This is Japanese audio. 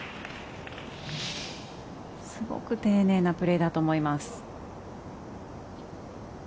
すごく丁寧なプレーだと思います。